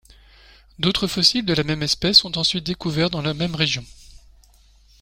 D'autres fossiles de la même espèce sont ensuite découverts dans la même région.